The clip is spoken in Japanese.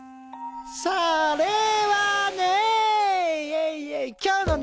それはね。